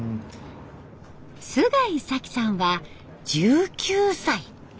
須貝沙紀さんは１９歳。